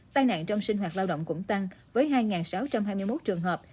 tai nạn trong sinh hoạt lao động cũng tăng với hai sáu trăm hai mươi một trường hợp